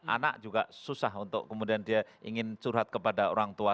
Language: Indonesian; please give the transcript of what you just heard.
anak juga susah untuk kemudian dia ingin curhat kepada orang tua